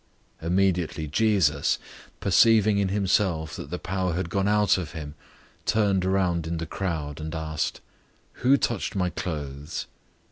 005:030 Immediately Jesus, perceiving in himself that the power had gone out from him, turned around in the crowd, and asked, "Who touched my clothes?"